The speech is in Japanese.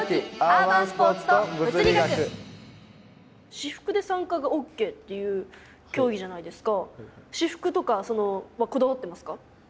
私服で参加がＯＫっていう競技じゃないですか。